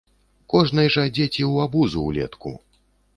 Кожнай жа дзеці ў абузу ўлетку.